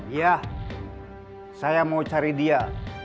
iya saya mau cari dia